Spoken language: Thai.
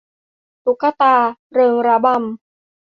ตุ๊กตาเริงระบำ